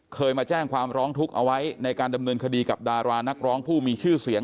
เคยมาแจ้งความร้องทุกข์เอาไว้ในการดำเนินคดีกับดารานักร้องผู้มีชื่อเสียง